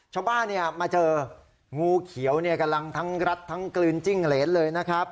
ชาวบ้านมาเจองูเขียวกำลังทั้งรัดทั้งกลืนจิ้งเหรนเลยนะครับ